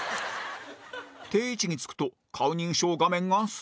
定位置につくと顔認証画面がストン